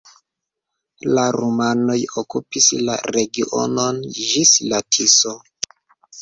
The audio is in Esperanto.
La rumanoj okupis la regionon ĝis la Tiso.